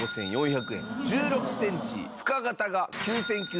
１６センチ深型が９９００円。